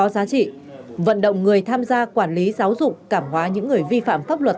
giá trị vận động người tham gia quản lý giáo dục cảm hóa những người vi phạm pháp luật